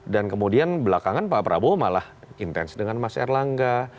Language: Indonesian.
kemudian belakangan pak prabowo malah intens dengan mas erlangga